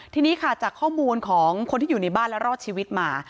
ทีนี้ค่ะจากข้อมูลของคนที่อยู่ในบ้านและรอดชีวิตมา